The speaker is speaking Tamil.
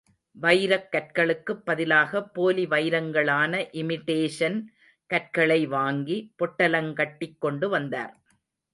வைரக் கற்களுக்குப் பதிலாக போலிவைரங்களான இமிடேஷன் கற்களை வாங்கி, பொட்டலங் கட்டிக் கொண்டு வந்தார்.